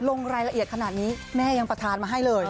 ลงรายละเอียดขนาดนี้แม่ยังประธานมาให้เลย